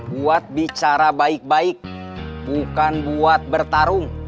buat bicara baik baik bukan buat bertarung